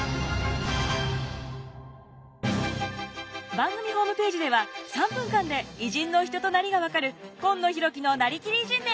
番組ホームページでは３分間で偉人の人となりが分かる「今野浩喜のなりきり偉人伝」を公開中！